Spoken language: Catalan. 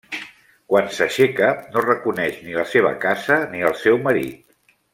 Quan s'aixeca, no reconeix ni la seva casa ni el seu marit.